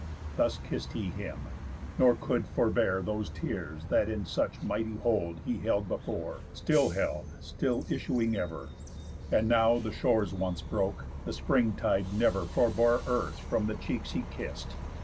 Thus kiss'd he him, nor could Forbear those tears that in such mighty hold He held before, still held, still issuing ever; And now, the shores once broke, the springtide never Forbore earth from the cheeks he kiss'd.